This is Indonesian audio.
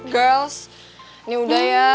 girls ini udah ya